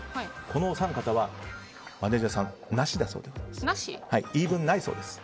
このお三方はマネジャーさんなしだそうでございます。